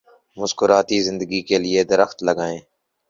مسکراتی زندگی کے لیے درخت لگائیں۔